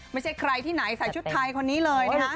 ไม่ใช่ใครที่ไหนใส่ชุดไทยคนนี้เลยนะคะ